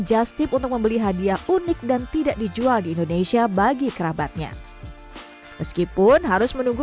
just tip untuk membeli hadiah unik dan tidak dijual di indonesia bagi kerabatnya meskipun harus menunggu